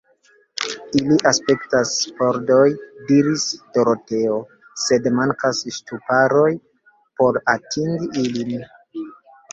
Ili aspektas pordoj, diris Doroteo; sed mankas ŝtuparoj por atingi ilin.